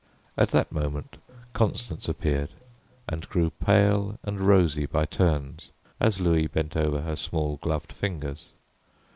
At that moment Constance appeared and grew pale and rosy by turns as Louis bent over her small gloved fingers.